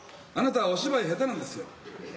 あなたはお芝居下手なんですよ。